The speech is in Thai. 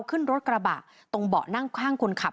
ขึ้นรถกระบะตรงเบาะนั่งข้างคนขับ